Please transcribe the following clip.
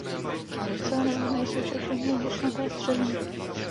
Zcela nevhodné jsou však všechny jehličnaté dřeviny.